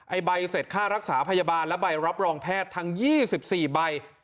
ใบเสร็จค่ารักษาพยาบาลและใบรับรองแพทย์ทั้ง๒๔ใบ